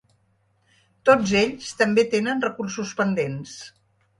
Tots ells també tenen recursos pendents.